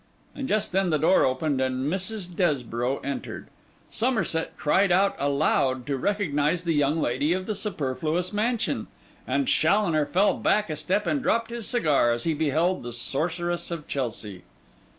And just then the door opened, and Mrs. Desborough entered. Somerset cried out aloud to recognise the young lady of the Superfluous Mansion, and Challoner fell back a step and dropped his cigar as he beheld the sorceress of Chelsea.